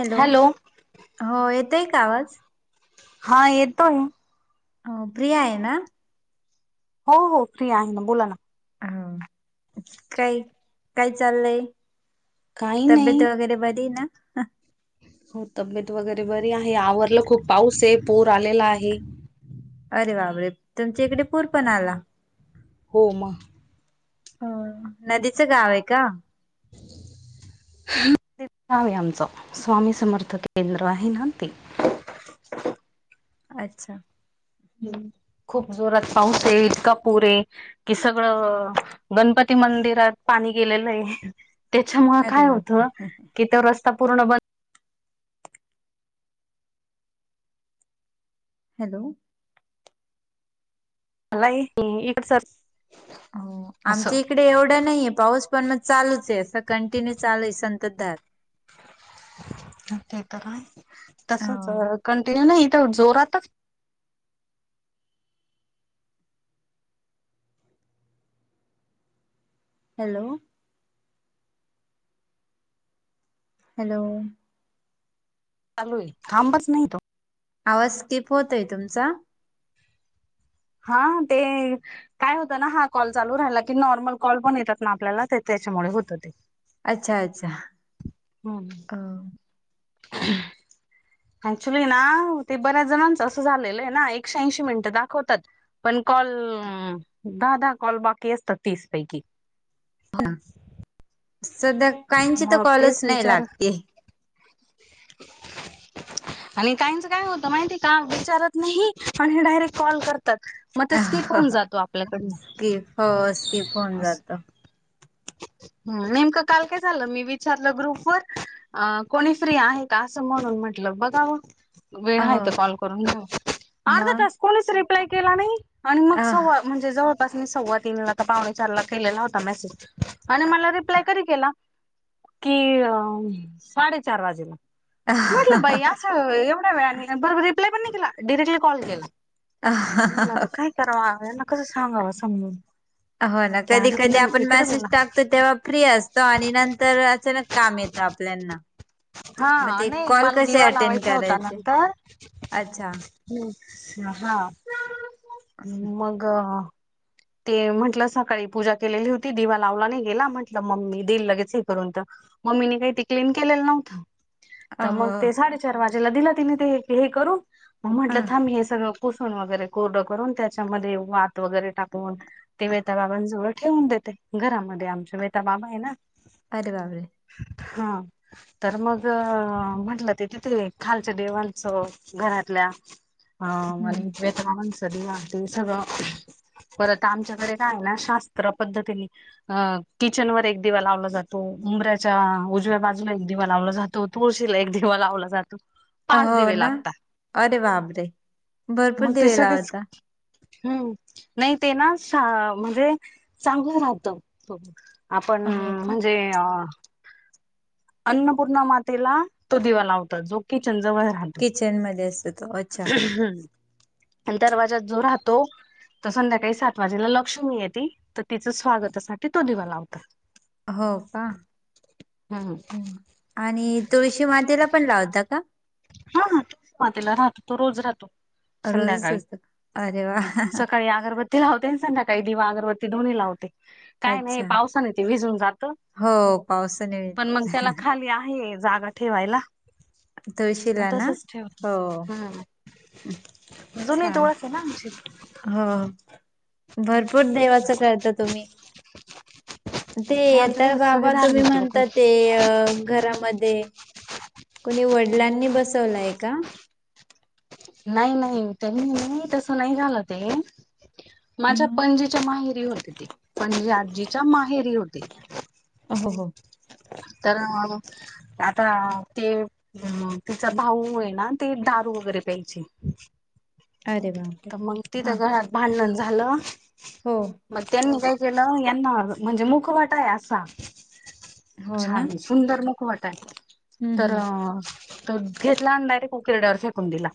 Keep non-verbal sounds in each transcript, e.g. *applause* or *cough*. Hello, हो येतय का आवाज? हा येतोय. हो फ्री हाये ना. हो हो फ्री आहे ना बोला ना. हा काय, काय चाललंय? काही तब्येत नाही वगैरे बरी ना. हो तब्येत वगैरे बरी आहे. आवरलं खूप पाऊस आहे, पूर आलेला आहे. अरे बापरे तुमच्या इकडे पूर पण आला. हो मग. ह नदीचं गाव ये का? ते गावं आहे आमचं स्वामी समर्थ केंद्र आहे ना ते. अच्छा. खूप जोरात पाऊस ये, इतका पुर ये. कि सगळं गणपती मंदिरात पाणी गेलेलंय. त्याच्यामुळे अरे काय बापरे होतं की तो रस्ता पूर्ण ब हॅलो. *unintelligible* इकड सर हो आमच्या इकडे एव ढ नाहीये पाऊस पण मग चालूच ये अस कंटिन्यू चालूय संतधार. ते तर आहेच तसच हो अ कंटिन्यू नाई इथ जोरातच हॅलो हॅलो चालू आहे खांबच नाही तो. आवाज स्कीप होतोय तुमचा. हां ते काय होत ना हा कॉल चालू राहिला की नॉर्मल कॉल पण येतात ना आपल्याला ते त्याच्यामुळ होत ते. अच्छा अच्छा हम्म *inaudible* ऍक्च्युली येना ते बऱ्याच जणांच अस झालेल आहे ना एकशेऐंशी मिनिट दाखवतात. पण कॉल दहा दहा कॉल बाकी असतात तीस पैकी. सध्या काहींची तर मग तेच कॉलच नाही विचार लागते. आणि काहीच काय होत माहितीये का विचारत नाही आणि डायरेक्ट कॉल करतात. मग ते स्किप होऊन जातो आपल्याकडन. स्किप हो स्किप होऊन जातो. ह नेमक काल काय झाल मी विचारल ग्रुप वर. अ कोणी फ्री आहे का अस म्हणून म्हंटल बघाव. वेळ हो आहे तर कॉल करून घ्यावा, अर्ध्या मग तास कोणीच रिप्लाय केला नाही आणि मग अ सव्वा म्हणजे जवळपास मी सव्वा तीनला का पावणे चारला केलेला होता मॅसेज. आणि मला रिप्लाय कधी केला कि साडेचार वाजेला. *inaudible* ल एवढ्या वेळानी आणि बरोबर रिप्लाय पण नाही केला डिरेक्टली कॉल केला म्हंटल आता काय कराव यांना कस सांगाव समजून. हो ना त्या कधी आधी कधी तुम्ही आपण इकडे मॅसेज बोला टाकतो तेव्हा फ्री असतो आणि नंतर अचानक काम येत आपल्यांना. मग हा ते नाही कॉल मला कसे दिवा अटेंड लावायचा करायचे? अच्छा. हम्म हा हा मग ते म्हटल सकाळी पूजा केलेली होती दिवा लावला नाही गेला म्हटल मम्मी देईल लगेच हे करून तर. मम्मीने काही ते क्लीन केलेल नव्हत. तर मग हो ते साडेचार वाजेला दिल तिने ते हे हे करून मग हा म्हटल थांब हे सगळ पुसून वगैरे कोरड करून त्याच्यामध्ये वात वगैरे टाकून. कून ते वेताबाबांजवळ ठेवून देते घरामध्ये आमच्या वेता बाबा आहे ना. अरे बापरे. हा तर मग म्हंटल ते तिथे खालच्या देवांच घरातल्या हम्म. आणि वेता बाबांच दिवा ते सगळ परत आमच्याकडे काय आहे ना शास्त्र पद्धतीने अ किचनवर एक दिवा लावला जातो उंबऱ्याच्या उजव्या बाजूला एक दिवा लावला जातो. तो तुळशीला एक दिवा लावला जातो. पाच हो दिवे ना लागतात अरे बापरे भरपूर मग ते दिवे सगळेच. लावता हम्म नाही ते ना सा म्हणजे चांगू राहत. आपण हो का म्हणजे अन्नपूर्णा मातेला तो दिवा लावतात जो किचन जवळ राहतो. किचन मध्ये असतो तो अच्छा आणि दरवाज्यात जो राहतो. तर संध्याकाळी सात वाजेला लक्ष्मी येती तर तिच स्वागतासाठी तो दिवा लावतात. हो का हम्म आणि तुळशी मातेला पण लावता का? हां हां तुळशीमातेला राहतो तो रोज राहतो. रोजच संध्याकाळी असतं अरे वा! सकाळी अगरबत ती लावते संध्याकाळी दिवा अगरबत्ती दोन्ही लावते. काय नाही अच्छा. पावसाने ते विजून जात. हो पावसाने पण मग त्याला खाली आहे जागा ठेवायला. मग तुळशीला ना? तसच हो. ठेवते हा अजून इथं छान. ओळख आहे ना आमची. हो भरपूर देवाच करता तुम्ही. ते आमच्या घरात सगळे वेताळबाबा तुम्ही धार्मिक लोक आहेत. म्हणता ते अह घरामध्ये कुणी वडलांनी बसवलाय का. नाही नाही त्यांनी नाही तस नाही झालं ते. माझ्या हम्म. पणजीच्या माहेरी होते ते पणजी आजीच्या माहेरी होते. हो हो हो. तर आता ते अह तिचा भाऊ आहे ना. ते दारू वगैरे प्यायचे अरे बापरे! तर मग हा. तिथं घरात भांडण झालं हो. मग त्यांनी काय केलं यांना म्हणजे मुखवट टा आहे असा. हो ना? छान सुंदर मुखवट आहे हम्म तर. हम्म. तो घेतला आणि डायरेक्ट उकिरड्यावर फेकून दिला.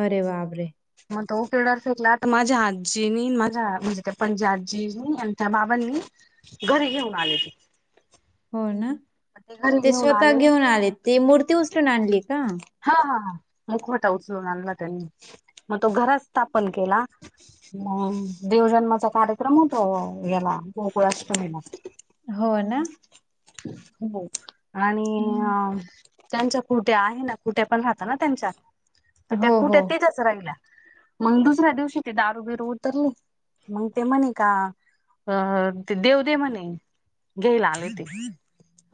अरे बापरे. मग तो उकिरड्यावर फेकला तर माझ्या आज्जीनी माझ्या म्हणजे ते पणजी आज्जीनी आणि त्या बाबांनी घरी घेऊन आले. हो ना घरी ते घेऊन स्वतः आले घेऊन आले, ते मूर्ती उचलून आणली का? हा हा हा मुखवटा उचलून आणला त्यांनी मग तो घरात स्थापन केला. म देवधर्माचा कार्यक्रम होतो याला गोकुळाष्टमीला हो ना. हो आणि हम्म. अह त्यांच्या कुठे आहे ना कुठे पण राहत ना त्यांच्या तर त्या हो खुट्या हो. तिथचं राहिल्या मग दुसऱ्या दिवशी ते दारू बिरू उतरली. मंग ते म्हणे का अ ते देव दे म्हणे घ्यायला आले ते.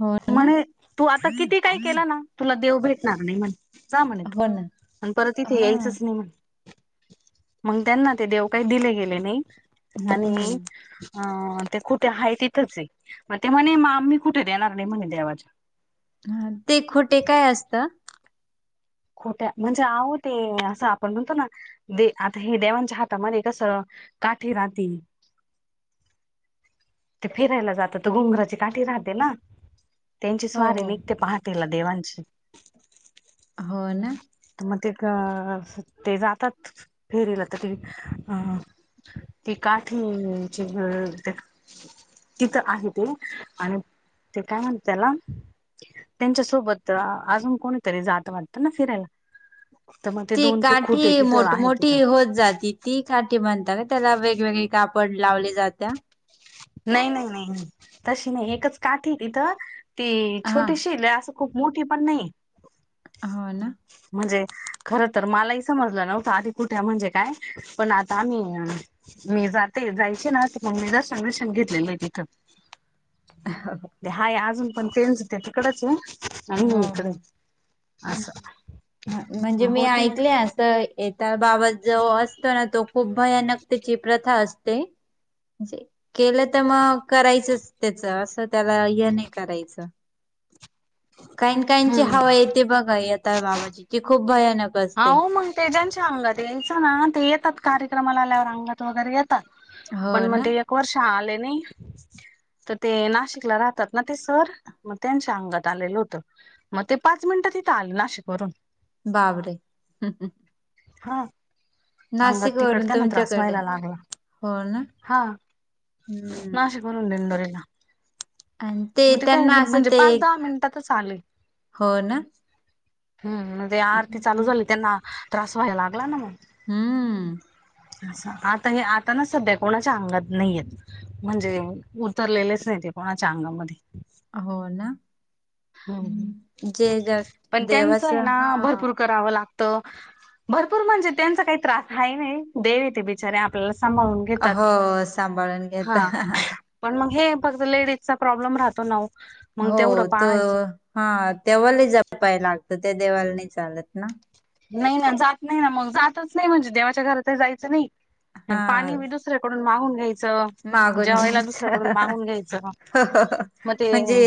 हो ना. म्हणे तू आता किती काही केलं ना तुला देव भेटणार नाही म्हणे. जा म्हणे हो ना. आणि परत इथे हां. यायचंच नाही म्हणे. मग त्यांना ते देव काही दिले गेले नाही आणि हम्म. अह ते खुठे आहे तिथंच आहे मग ते म्हणे आम्ही कुठे देणार नाही म्हणे देवाच्या. हा ते खुठे काय असतं? खुट्या म्हणजे आहो ते असं आपण म्हणतो ना दे आता हे देवांच्या हातामध्ये कस काठी राहते ते फिरायला जातात तर घुंगराची काठी राहते ना त्यांची हो, स्वारी हो. निघते पाह तेला देवांची. हो ना. मग ते अह ते जातात फेरीला तर ते अह ती काठीची *unintelligible* तिथं आहे ते आणि ते काय म्हणत त्याला त्यांच्या सोबत अह अजून कोणीतरी जात वाटतं ना फिरायला तर मग ते ती दोन ते खुटे काठी तिथं मोठ आहे मोठी तिथं होत जाती. ती काठी म्हणता ना त्याला वेगवेगळे कापड लावले जात्या. नाही नाही नाही तशी नाही एकच काठी आहे तिथं ती हां. छोटीशी लय आहे असं मोठी पण नाही. हो ना. म्हणजे, खर तर मलाही समजलं नव्हतं आधी कुठे म्हणजे काय पण आता आम्ही, मी जाते मी जायचे ना मगं मी दर्शन बिर्शन घेतलेलं आहे तिथं. *inaudible* ते हाय अजून पण तेंच ते तिकडचय. हा हा, असं म्हणजे मी होते ऐकले असं त्याचा बाबत जो असतो ना तो खूप भयानक तेची प्रथा असते. म्हणजे, केलं तर मग करायचंच त्याच असं त्याला य नाही करायचं. काहीन काहीनची हम्म हवा येते बघा यताळ बाबाची ती खूप भयानक असते. आहों मग ते ज्यांच्या अंगात यायचं ना, ते येतात कार्यक्रमाला आल्यावर अंगात वगैरे येत हो पण मग ना ते एक वर्ष आले नाही तर ते नाशिकला राहतात ना ते सर, म त्यांच्या अंगात आलेलं होतं. मग ते पाच मिनिटात ईथं आले नाशिक वरून. बापरे. हा. अंगात तिकड वरून त्याना त्रास तुमच्याकडे व्हायला लागला, हो ना हा हम्म नाशिक वरून दिंडोरीला, आणि ते म्हणजे काय त्यांना असं म्हणजे ते पाच दहा मिनिटातच आले. हो ना. हम्, म ते आरती चालू हम्म झाली त्यांना त्रास व्हायला लागला ना मग. हम्म.... आता हे आता ना सध्या कोणाच्या अंगात नाही येत. म्हणजे उतरलेलेच नाही ते कोणाच्या अंगामध्ये. हो ना, हम्म. जे जस् पण त्यांचं देवाच आहे हा. ना भरपूर करावं लागतं. भरपूर म्हणजे त्यांचा काही त्रास आहे नाही, देव येते बिचारे आपल्याला सांभाळून घ हो, सांभाळून घेता. पण मग हे फक्त लेडीजचा प्रॉब्लेम राहतो ना वो. हो तो हा तेव्हा लय जपाव लागत त्या देवालाने चालत नाही ना? नाही ना जात नाही ना मग जातच नाही म्हणजे देवाच्या घरातही जायचं नाही, हा पाणी बस दुसऱ्याकडून मागून घ्यायचं, मागून जेवायला दुसऱ्याकडून घ्यायचं मागून घ्यायचं मग. म ते म्हणजे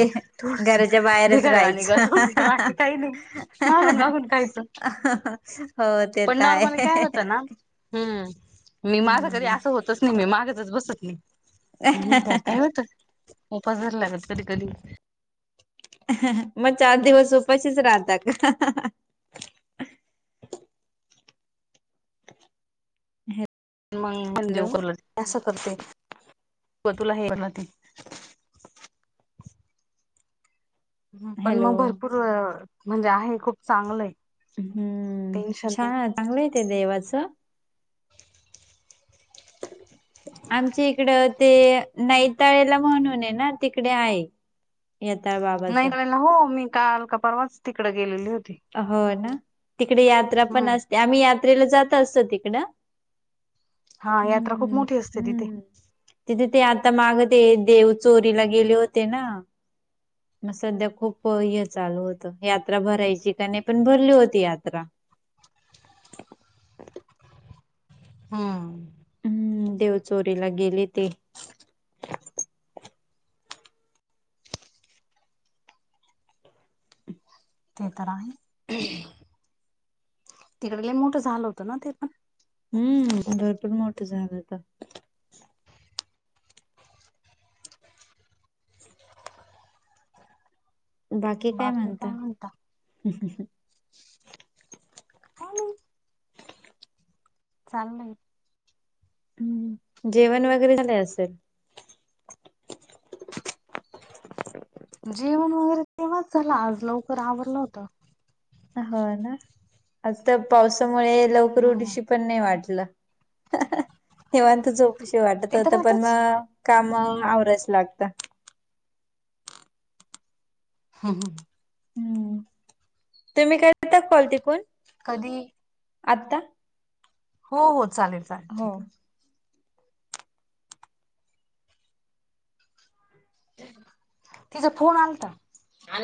थोडस घराच्या बाहेरच भेगारवानी *unintelligible* राहायचं. करसूती बाकी काही नाही मागून मागून खायचं. हो ते पण तर नॉर्मली आहे. काय होतं ना, हम्म मी माझं कधी हम्म असं होतच नाही, मी मागतच बसत नाही. हम्म, त्या काय होत उपास धरावं लागत कधी - कधी. मग चार दिवस उपाशीच राहत का? ह *unintelligible* मग मण देव *unintelligible* करलं असं करते तुला हे करलं ते ह पण हॅलो मग भरपूर, म्हणजे आहे खूप चांगलंय. हम्म, छान चांगलंय ते देवाचं. *inaudible* आमच्या इकड ते नैताळेला म्हणून आहे ना, तिकडे आहे. येताळ बाबाच नैताळला हो, मी काल का परवाच तिकडे गेलेली होती. हो ना तिकडे यात्रा हम्म पण असते, आम्ही यात्रेला जात असतो तिकडं. हा, यात्रा खूप हम्म मोठी असते तिथे. हम्म तिथे ते आता माग ते देव चोरीला गेले होते ना? मग सध्या खूप हे चालू होत, यात्रा भरायची. त्याने पण भरली होती यात्रा. हो. हम्म देव चोरीला गेले ते. ते तर आहे, तिकडं लई मोठं झालं होतं ना ते पण. हम्म भरपूर मोठं झालंता. बाकी काय म्हणता, काय नाही. चाललंय. उम्म, जेवण वगैरे झालं असेल. जेवण वगैरे तेव्हाच झालं, आज लवकर आवरलं होतं. हो ना, आज त्या पावसामुळे लवकर हम्म उठुशी पण नाही वाटलं. निवांत झोपुशी वाटत ते तर होतं, पण राहतच मग काम आवरायच लागता. हम्म, तुम्ही करता का कॉल तिकून? कधी? आता. हो हो, चालेल चालेल, ठीक हो आहे. तिचा फोन आलता. आला